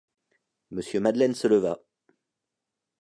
Monsieur Madeleine se leva.